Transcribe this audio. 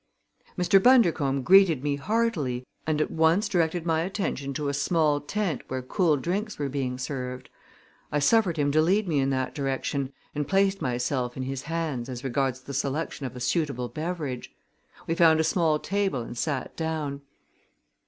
Mr. Bundercombe greeted me heartily and at once directed my attention to a small tent where cool drinks were being served. I suffered him to lead me in that direction and placed myself in his hands as regards the selection of a suitable beverage. We found a small table and sat down.